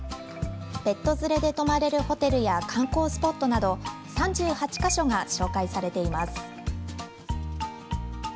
ペット連れで泊まれるホテルや観光スポットなど、３８か所が紹介されています。